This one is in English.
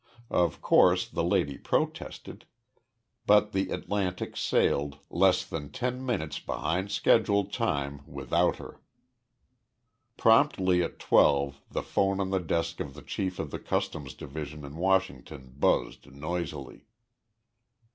Of course, the lady protested but the Atlantic sailed, less than ten minutes behind schedule time, without her. Promptly at twelve the phone on the desk of the chief of the Customs Division in Washington buzzed noisily.